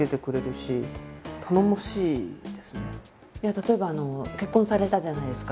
例えば結婚されたじゃないですか。